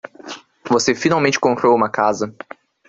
Você finalmente comprou uma casa.